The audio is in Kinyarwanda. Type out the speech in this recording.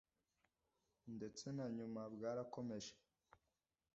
ndetse na nyuma bwarakomeje